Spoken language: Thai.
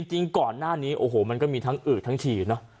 จริงก่อนหน้านี้โอ้โหมันก็มีทั้งอืดทั้งฉี่เนอะ